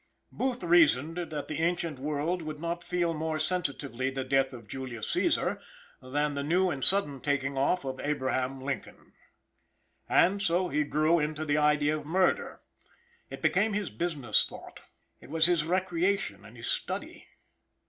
Booth reasoned that the ancient world would not feel more sensitively the death of Julius Cęsar than the new the sudden taking off of Abraham Lincoln. And so he grew into the idea of murder. It became his business thought. It was his recreation and his study.